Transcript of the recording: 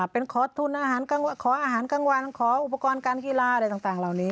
เป็นขอทุนอาหารขออาหารกลางวันขออุปกรณ์การกีฬาอะไรต่างเหล่านี้